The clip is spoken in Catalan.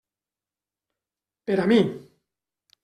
Per a mi.